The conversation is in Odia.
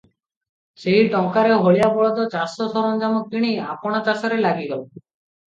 ସେହି ଟଙ୍କାରେ ହଳିଆ ବଳଦ, ଚାଷ ସରଞ୍ଜାମ କିଣି ଆପଣା ଚାଷରେ ଲାଗିଗଲା ।